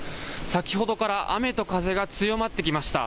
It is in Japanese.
先ほどから雨と風が強まってきました。